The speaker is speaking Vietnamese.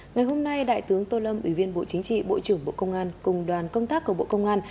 ngày hôm nay đại tướng tô lâm ủy viên bộ chính trị bộ trưởng bộ công an cùng đoàn công tác của bộ công an